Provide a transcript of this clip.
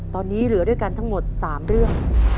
ตอนนี้เหลือด้วยกันทั้งหมด๓เรื่อง